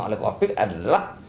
oleh covid adalah